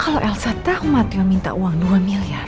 kalau elsa tahu minta uang dua miliar